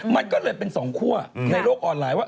มันก็เลยเป็นสองคั่วในโลกแบบนี้